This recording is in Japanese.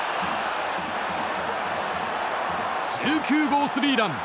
１９号スリーラン。